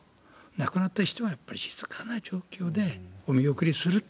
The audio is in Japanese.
亡くなった人を静かな状況でお見送りする。